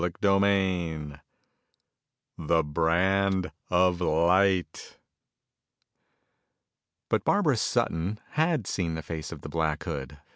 CHAPTER V The Brand Of Light But Barbara Sutton had seen the face of the Black Hood.